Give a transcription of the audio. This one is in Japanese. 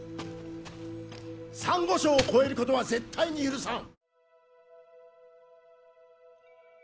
サンゴ礁を越えることは絶対に許さん！